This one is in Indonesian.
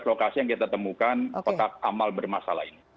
itu dua belas lokasi yang kita temukan reaksi kotak amal bermasyalah